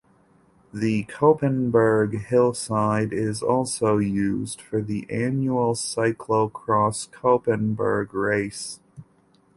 The Koppenberg hillside is also used for the annual Cyclo-cross Koppenberg race.